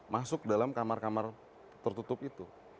masuk dalam kamar kamar tertutup itu